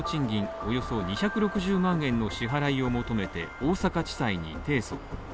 およそ２６０万円の支払いを求めて大阪地裁に提訴。